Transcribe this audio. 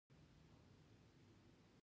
د پوهې شریکول یوه دنده ده.